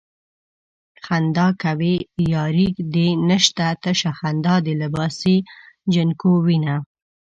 خندا کوې ياري دې نشته تشه خندا د لباسې جنکو وينه